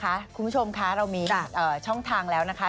คุณผู้ชมคะเรามีช่องทางแล้วนะคะ